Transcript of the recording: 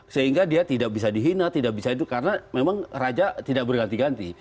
sehingga dia tidak bisa dihina karena memang raja tidak berganti ganti